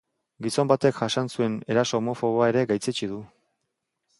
Gizon batek jasan zuen eraso homofoboa ere gaitzetsi du.